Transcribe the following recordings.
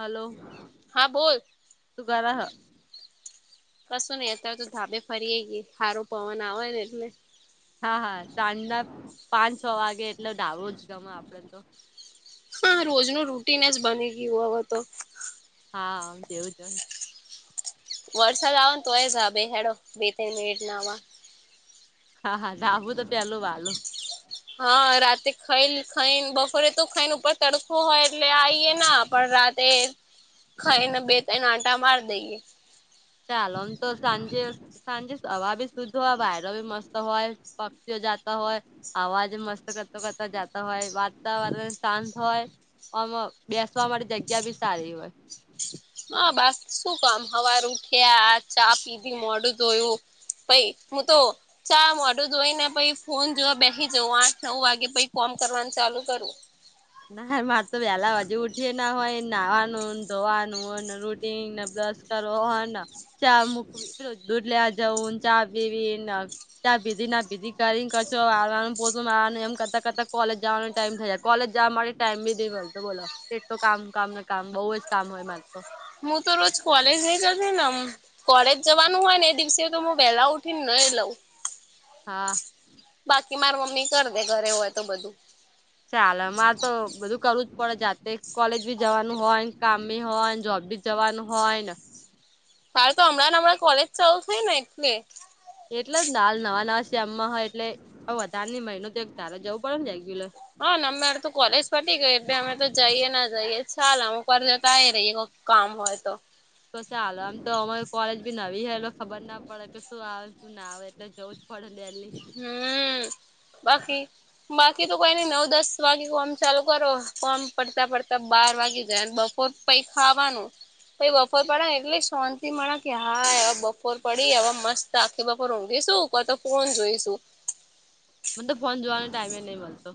Hello. હા બોલ તું કર રા હ. કશું નહીં. અત્યારે તો ધાબે ફરી ગય સારો પવન આવે ને એટલે. હા હા! સાંજ ના પાંચ છ વાગે એટલે ડબો જ ગમે આપડે તો. હા! રોજ ન રૂટીન જ બની ગયું હવે તો. હા તેવું જ હોય. વરસાદ આવ ને તોય જબે હેડો બે ત મટ ના હા હા! ઘાબુ તો પેલું વાલો. હા! રાતે ખાઈ ખાઈ બપોરે તો ખાઈને ઉપર તડખો હોય. એટલે આઈએ ના પણ રાત. તે ખાઈને બે ત એને આટા મારી દઈએ. ચાલો. આમ તો સાંજે સાંજે હવા બી શુદ્ધ હોય વાયરો બી મસ્ત હોય. જો જાતા હોય. અવાજ મસ્ત કરતો કરતા જતા હોય. વાતાવરણ શાંત હોય. અમ બેસવા માટે જગ્યા બી સારી હોય. [inaudible] હા બા શું કામ હવારુ કે આ ચા પીધી મોડું જોયું... પઈ હું તો... ચા મોઢું ધોઈ ને પછી ફોન જોવા બેસી જવું આઠ નવ વાગે પછી કોમ કરવાનું ચાલુ કરવું. હા મારે તો વહેલા હજુ ઉઠી ના હોય નાહવાનુંને ધોવાનું... રૂટીન ના બસ કરો હ ચા મુખ... [unintelligible] દૂધ લેવા જઉ ચા પીવી [unintelligible] ચા પીધી ના પીધી કરીને કરો પો એમ કરતા કરતા કોલેજ જવાનો ટાઈમ થઈ જાય કોલેજ... જા મારી ટાઈમ બી દે મળતો બોલો એટું કામ કામ ને કામ બહુ જ કામ હોય મારે તો. હું તો રોજ કોલેજ નહિ જતીને અમ કોલેજ જવાનું હોય ને એ દિવસે તો હું વહેલા ઉઠી ને નાઈ લવુ. હા. બાકી મારી મમ્મી કરી દે ઘરે હોય તો બધું. ચાલ મારે તો બધું કરવું જ પડે જાત કોલેજ બી જવાનું હોય, ને કામ બી હોય જોબ બી જવાનું હોય ને કોલેજ ચાલુ થઇ એટલે એટલે જ ને હાલ નવા નવા છે, આમમાં હોય એટલે વધારેની મહિનો તો એક તારા જવું પડે ને રેગ્યુલર [unintelligible] કામ હોય તો તો ચાલો આમ તો અમારી કોલેજ બી નવી હ એટલે ખબર ના પડે કે શું આવે શું ના આવે એટલે એલી હમ્મ બાકી બાકી તો કોઈને નવ દસ વાગે ફ્રોમ ચાલુ કરો ફ્રોમ પડતા પડતા બાર વાગી જાય બપોર પછી ખાવાનુ પછી બપોર પડે એટલે શાંતિ મળે કે હા એવા બપોર પડી એવા મસ્ત આખી બોપર રઘીશુંનહિ તો ફોન જોઈશુ મને તો ફોન જોવાનો ટાઈમે નહીં મળતો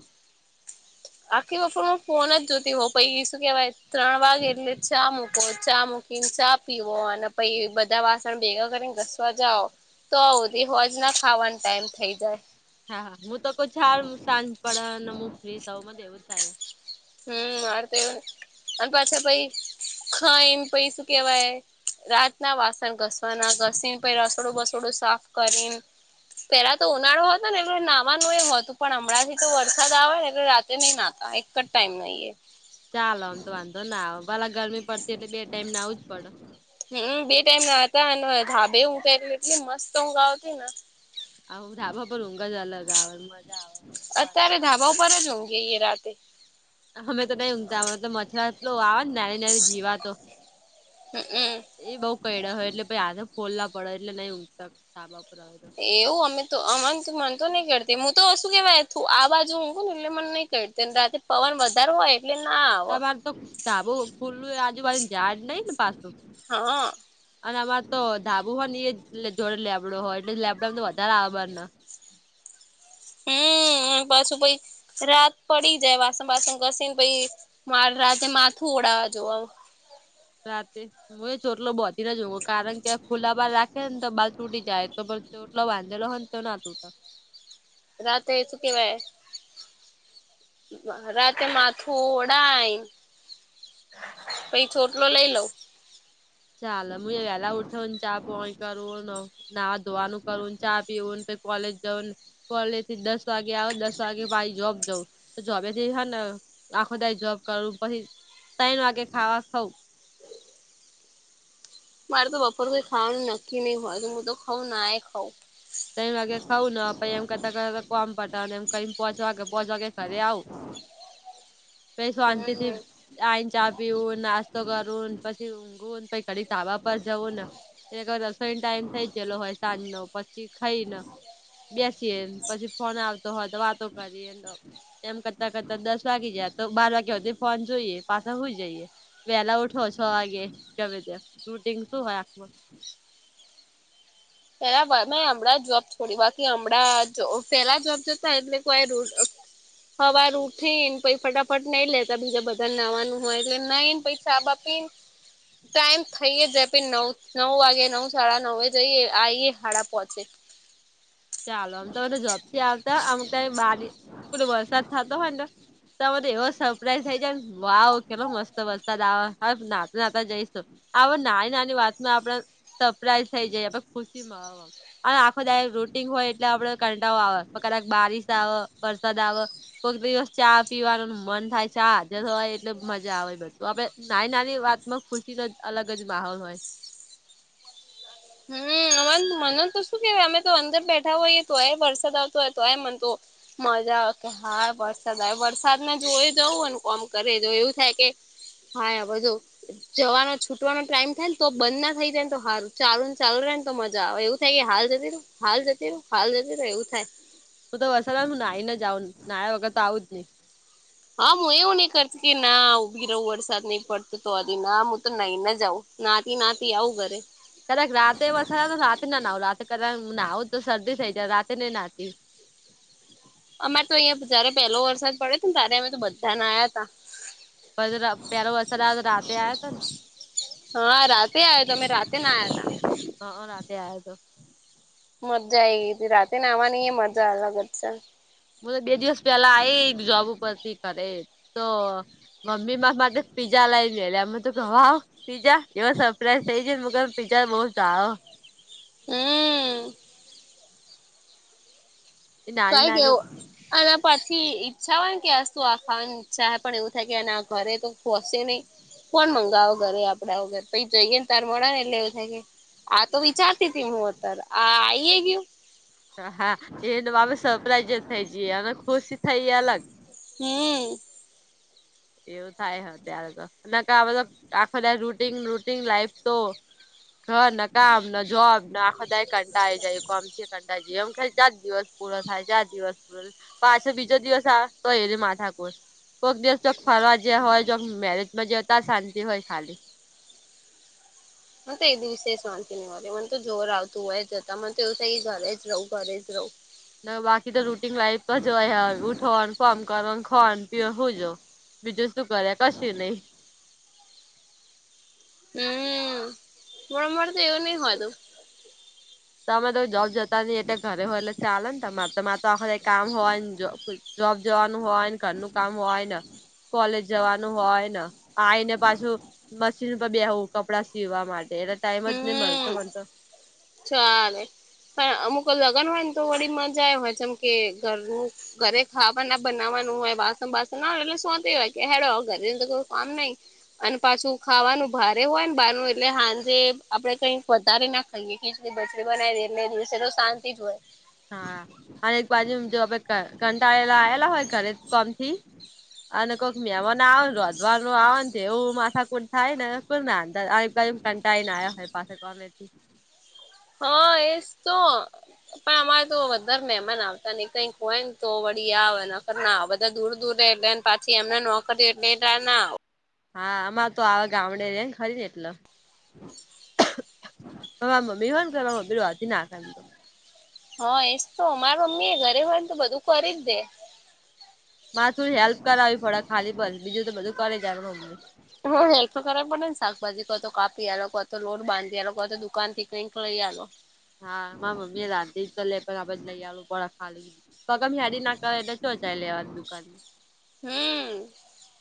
આખી વપોર હું ફોન જ જોતી હોઉ પછી શું કેવાય ત્રણ વાગે એટલે ચા મૂકો ચા મૂકી પીવો અને પછી બધા વાસણ ભેગા કરીને ઘસવા જઓ. તો આવ દી હોજ ના ખાવાનો ટાઈમ થઇ જાય. હા હા હું તો કોઈ છાડ સાંજ પડે નેું મને એવું થાય. હમ માર તો એવ અને પાછા પૈ ખાઈન પૈ શું કેવાય રાત ના વાસણ ઘસવાના ઘસી ને પછી રસોડું બસોડું સાફ કરીને પેલા તો ઉનાળો હતો ને, એટલે નાવાનું એ હતું પણ અમણાંથી તો વરસાદ આવે ને એટલે [unintelligible] ચાલો આમ તો વાંધો ના આવે ભલા ગરમી પડતી એટલે બે ટાઈમ નાવું જ પડે હમ બે ટાઈમ ના હતા અને ઢાબે ઉઠાય એટલે એટલી મસ્ત ઊંઘ આવતી ને હ ઢાબા પણ ઊંઘ જ અલગ મજા આવેની અત્યારે હડ ધાબા ઉપર જ ઉંઘીએ એ રાતે અમે તો નહી ઉઊમતા મતલ મચ્છરો એટલો આવે નાની નાની જીવાતો હમમ એ બઉુ કરડે હોય એટલે ભાઈ હાથે ખોલ ના પડે એટલે નઈ ઊંચ સાાબા ઉપર આવે તો એવું અમે તો અમ મન તો નહી કરતી હું તો શું કેવાયું આ બાજુ હુંકું ને એટલે મન નહી કરતી રાતે પવન વધારે હોય તમારે તો ધાબો ખુલ્લું આજુબાજુ ઝાડ નઈ ને પાછું [unintelligible] અને અમારે તો ધાબું હોય ઈ એ જ જોડે લેબડો હોય એટલે લેબડાો તો વધારે આભાર ને હમ્મ પાછું પછી રાત પડી જાય વાસણ વાસણ ઘસીને પછી. મારે રાતેે માથું ઓડાવવા જોવા આવ રાતે હું એ ચોટલો બોતી ના જોું કારણ કે ખુલ્લા બાાર રાખે ને તો બાર તૂટી જાય તો પણ ચોટલો વાંધેલો હોય તો ના તૂટે રાતે એ તો શું કેવાય રાતે માથું ઓડાય પછ છોટલો લઈ લઉ ચાલ હું વેલા ઉઠવ ને ચાપય કરવો ન નાવા ધોવાનુંું કરન ચા પીવન પ કોલેજ જવન કોલેજ થી દસ વાગે આવ દસ વાગે ભછ જોબ જઉ તો જોબે જે હ ને આખો ત જોબ કરું પછી ત વાગે ખાવા ખઉ મારે તો બપોરરે કો ખાવાનું નક્કી નહી હોય તો હું તો ખઉ ના એ ખઉ તો વાગે ખાવ ને પછ એમ કરતા કર કોમ પડતા એમ ક પજ વાગે પસ વાગે ખરે આવુ પ શાંતિથી હમ આઈન ચા પીવું નાસ્તો કરું પછી ઊંઘવું ને પ ઘડી તાબા પર જવું ને એલે રસોઈ ટાઈમ થઈ ગયેલો હોય સાંજ નનો પછ પછી ખાઈને બેસીએ પછી ફોન આવતો હોય તો વાતો કરીએને એમ કરતા કરતા દસ વાગી જયા તો બાર વાગ્યાી ફોન જોઈએ પાછા હોય જઈએ. વેહલા ઉઠો છ વાગે ગમે તે મટિંગ શું હોય આખ પેલા મે હમણાં જોબ છોડી બાકી હમણાં પેલા જોબ જતા એટલે કોઈ ર હવાર ઉઠી ને પ ફટાફટ નઈ લેતા બીજા બધાને નવાનું હોય એટલે નને પછ સાાબ ટાઈમ થઈએે જેપી નવ નવ વાગે નવ સાડા ન જઈએ તઈ એ હાડા પ છેે ચાલો આમ તો મને ઝપથી આવતા આમ કઈ બારી પલો વરસાદ થતો હોય ને તો એવો સરપ્રાઈઝ થાય જાય ને વા કેમાં મસ્ત બસતા હવે નાતા નાતા જઈશું હ નાની નાની વાતમાં આપણે સરપ્રાઈઝ થઈ જાય ખુશીમાં આખો દાય ર હોય એટલે આપડ કંટા આવે કક બારીિશ આવે વરસાદ આવે કોઈક દિવસ ચા પીવાનું મન થાય ચા હાજર થય એટલે મજા આવેું આપડે નાની નાની વાતમાં ખુરશી તો અલગ જ માહોલ હોય હમ અમા મન તો શું કેવાય અમે તો અંદર બેઠા હોઈએ તો એ વરસાદ આવતો હોય તો એ મનતો હોય મજા આવે કે હા વરસાદ આવે વરસાદ જોઈ જવું ને કોમ કરે જો એવું થાય કે હા બધ જવાનો છૂટવાનો ટાઈમ થાય ને તો બંધ ના થઈ જાય ને તો સારું ચાલુ ચાલુ રહે ને તો મજા આવે એવું થાય કે હાલ જતી ર હાલ જતી ર હાલ જતી ર એવું થાય હું તો વસાદ હું નઈ ને જાઉ ના્યા વગર તો આવું જ ન હા હું એવું નહી કરતી કે ના ઉઊભી રહું વરસાદ નહી પડતો તો આ ના હું તો નહીને જ આવું નાતી નાતી આવું ઘરે કક રાતે વસા રાતે ના ના લ ક નાવું તો શરદી થઈ જાય રાતે ન નાતી અમારે તો અહંયા જયારે પેહલો વરસાદ પડ્યો હતો ને ત્યારે અમે તો બધાને આવ્યા હતા પ પે અસર આ રાતે આ હતો ને હા રાતે આવ્યો તમે રાતે ના આવ્યા ત હા રાતે આયા તો મજા આ ગઈ હતી રાતે ને આવવાની એ મજા અલગત છે હ તો બે દિવસ પેલા આ જોબ ઉપર થી કરે તો મમ્મી માટે પીઝજા લાવ લઈ એટલે એમે તો ગવા આવ પીઝજા એવ સરપ્રાાઈઝ થઈ જ છે હ પી્જા બહુ સાવ હમ એ નાની કઈ નાની કેવું અને પછી ઈચ્છા હોય કે આું આ ખાવાની ઈચ્છા પણ એવું થાય કે ઘરે તો ખસે નહી કોણ મંગાવો ઘરે આપડા વગર પછ જઈ ગએ ને તાર મળ ને એટલે એવું થાય આ તો વિચારતી હતી હુંત આ આઈએ ગયું હા એને અમે સરપ્રાઈઝ જ થઈ જઈએ અને ખુશી થઈ અલગ હમ. એવું થાયત્યારે તો ના ક આખો રૂટન રૂટન લાઈફ તો હ ના કામ ના જોબ ના આખો દ કંટા આ જાય કોમથી યજી એમ ખાલી ચાર દિવસ પૂરો થાય ચાર દિવસ પૂરો પાછો બીજો દિવસ આ તો એ માથાકુશ કોઈક દિવસ જોક ફરવા જયા હોય જો મેરેજમાં જ શાંતિ હોય ખાલી હ તો એ વિશેષ વાનંતી નહી મા મને તો જોર આવતું હોય જતા મને તો એવું થાય ઘરે જ રહવું ઘરે જ રહવું બાકી તો રૂટીન લાઈફ જોય ઉઠો ફમ કર ખો પી હું જો બીજું તું કરે કશે નહી હમ બરંબર તો એવું નહી હોય તોું તમે તો જોબ જતા ન એટલે ઘરે હોય એટલે ચાલે ને તમારે તો તો આખરે કામ હોયને જોબ જવાનું હોયને ઘરનું કામ હોય ને કોલેજ જવાનું હોય ને આવીને પાછું મશીન પર બેવું કપડા સીવા માટે એટલે ટાઈમ જ નહી મળતો હમ મને તો ચાલે પણ અમુક લગ્ન હોય ને તો વી મજા આવે હોય જેમ કે ઘરનું ઘરે ખાવાના બનાવવાનું હોય વાસણ બાસણ ના એટલે સોંત હોય કે હેડ ઘરે અંદર કોઈ કામ નહી અને પાછું ખાવાનું ભારે હોય ને બાર નું એટલે હાંજે આપડે કઈક વધારે ના ખાઈએ ખીચડી બચડી બનાવી ડે એટલે દિવસે તો શાંતિ જ હોય હા અને એક બાજુ જો કંટાળેલા આવેલા હોય ઘરે કોમ થી અને કોઈક મહેમાન આવે અધવાર નું આવે એવું માથા કુટ થાય ને કોઈ ના કંટાઈને આયા હોય પાસાં [inaudible] હા એજ તો પણ અમારે તો વધારે મહેમાન આવતા ને કઈ હોય ને તો વળી આવ નખર ના બધા દૂર દૂર એટલેને પાછી એમને નોકરી એટલે એ [unintelligible] હા અમાંર તો આવે ગામડે રે ને ખરી ને એટલે [unintelligible] હા એજ તો મારા મમ્મી ઘરે હોય ને તો બધું કરી જ દે મારે થોડી હેલ્પ કરાવી પડે ખાલી પન બીજું તો બધું કરી જાય મમ્મી હેલ્પ તો કરવા પડે ને શાકભાજી કો તો કાપી આ કો તો લોટ બાંધી આલો કો તો દુકાન થી કંઈક લઈ આલો હા માર મમ્મી એ રાંધી તો [unintelligible] બધ લઈ આલુ [unintelligible] ખાલી પગ યારી નાખ એટલે સોં ચાય લેવાની દુકાન હમ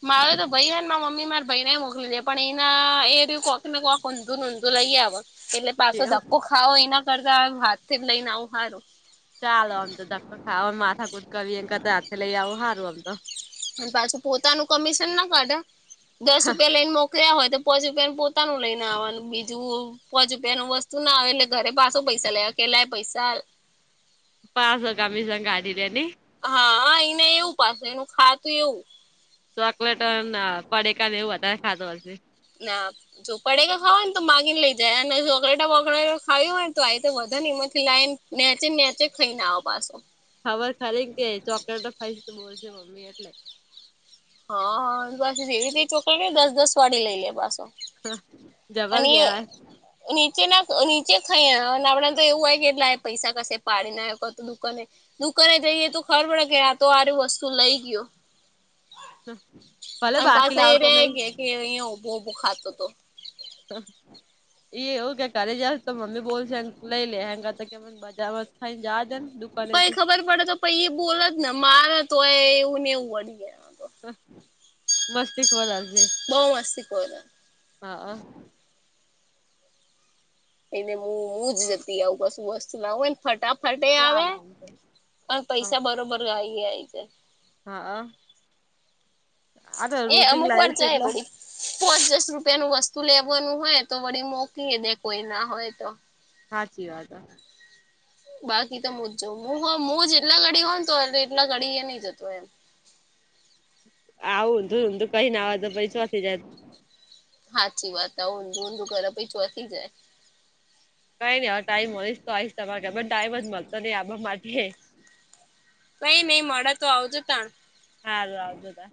મારે તો ભાઈ ને મમ્મી મારે ભાઈને મોકલી દે પણ એના એ કોક ને કોક ઊંધુ નુંધુ લઈ આવે એટલે પાછો એવું. ધક્કો ખાવો એના કરતા હાથ જ લઈને આવું હારું ચાલો આમ તો ધકો ખાવો માથા કુટ કરવી એના કરતા હાથી લઈ આવું હારું આમ તો અને પાછું પોતાનું કમિશન ના કાઢા દસ રૂપિયા લઈને મો ક્યાં હોય તો પછી કે પોતાનું લઈને આવાનું બીજું પોંચ રૂપિયા નું વસ્તુ ના આવે એટલે ઘરે પાછો પૈસા લે કેલાય પૈસા પાચ કમિશન કાઢી લે ની હા ઈને એવું પાસે એનું ખાતું એવું ચોકલેટ પડેકા ને એવું વધારે ખાતો હશે ના જો પડીકા ખાય ને તો માગીને લઇ જાય અને ચોકલેટા બોકલેટા ખાવી હોય ને તો આઈ વધે ને એમાંથી લાઈન નેચક નેચક થઈને આવો પાછો ખબર ખાલી ને કે ચોકલેટ ખાય છે તો બોલશે મમ્મી એટલે હા પા જેવી ચોકરી દસ દસ વાળી લઈ લે પાસો જબર એટલે કેવાય નીચે ના નીચે ખાઈ અને આપડેને તો એવું હોય કે એટલા પૈસા કશે પાડી ને આયો કા તો દુકને દુકને જઈ એ તો ખબર પડે કે આ તો હારું વસ્તુ લઈ ગયો ભલે અન બાકી પાછા લાવતો એ નહી કેય કે અહીયા ઉભો ઉભો ખાતો તો એ એવું કે ઘરે જ તો મમ્મી બોલશે લઈ લે હગ તો કે મને બજારમાં અઇ જવાદે ને દુકાનેથી પડ તો પહી એ બોલ જ ને માર તો હોય એવું નેવું વડી જ મસ્તી ખોર જ છે બઉ વાર [unintelligible] હા એને હું હું જ જતી આવું કશું વસ્તુ નાવું એને ફટાફટે આવે ચાલો એમ તો. પણ હા પૈસા બરોબર ગાઈ ગાય છે હા આ તો એ રૂટીન અમુક વાર લાઈફ ચાહે એટલે ભડી પોચ દસ રૂપિયા ન વસ્તુ લેવાનું હોય તો વળી મોકીય દે કોઈ ના હોય તો [inaudible] સાચી વાત. બાકી તો મુજ હું જેટલા ઘડી હો ને તો એટલા ઘડી એ નહી જતો એમ આવું ઊંધું ઊધું કરે ને આવે તો [unintelligible] હાચી વાત ઊંધું ઊંધું ઘર પહી ચોસી જાય કઈ નઈ હ ટાઈમ મળીશ તો આવીશ તમાર ઘ, મન ટાઈમજ મળતો નઈ આવા માટે. કઈ નહી મળે તો આવજો તા. હારુ આવજો તા.